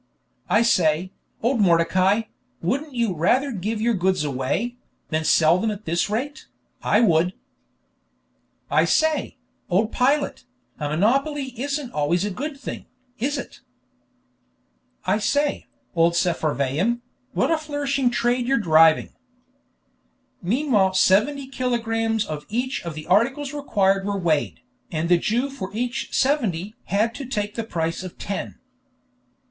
"I say, old Mordecai, wouldn't you rather give your goods away, than sell them at this rate? I would." "I say, old Pilate, a monopoly isn't always a good thing, is it?" "I say, old Sepharvaim, what a flourishing trade you're driving!" Meanwhile seventy kilogrammes of each of the articles required were weighed, and the Jew for each seventy had to take the price of ten.